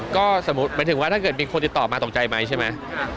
ก็สมมุติหมายถึงว่าถ้าเกิดมีคนติดต่อมาตกใจไหมใช่ไหม